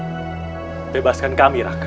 hai bebaskan kami raka